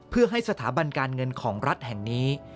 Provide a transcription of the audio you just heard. เพื่อให้สถาบันการเงินของรัฐแห่งนี้